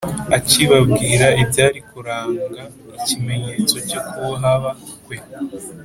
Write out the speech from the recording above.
Akibabwira ibyari kuranga ikimenyetso cyo kuhaba kwe